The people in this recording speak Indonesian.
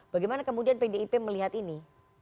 bagaimana kemudian pdip melihat ini